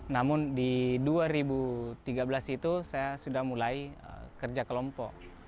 namun di dua ribu tiga belas itu saya sudah mulai kerja kelompok